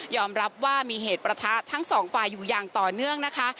รับว่ามีเหตุประทะทั้งสองฝ่ายอยู่อย่างต่อเนื่องนะคะ